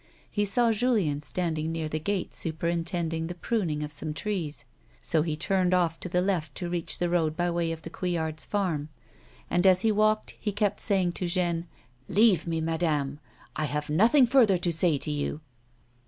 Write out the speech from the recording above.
He saw Julieu standing near the gate superintending the pruning of some trees, so he turned off to the left to reach the road by way of the Couillards' farm, and as he walked he kept saying to Jeanne : •'Leave me, madame. I have nothing further to say to you."